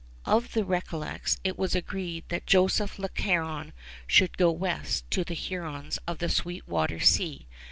Of the Recollets, it was agreed that Joseph le Caron should go west to the Hurons of the Sweet Water Sea.